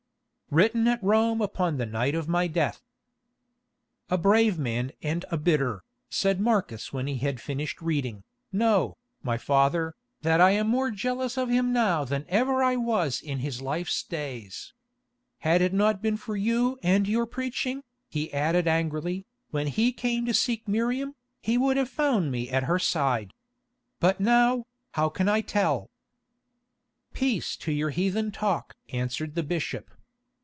"Written at Rome upon the night of my death." "A brave man and a bitter," said Marcus when he had finished reading. "Know, my father, that I am more jealous of him now than ever I was in his life's days. Had it not been for you and your preaching," he added angrily, "when he came to seek Miriam, he would have found me at her side. But now, how can I tell?" "Peace to your heathen talk!" answered the bishop.